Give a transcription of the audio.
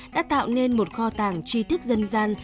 đã tạo nên một kho tàng tri thức dân gian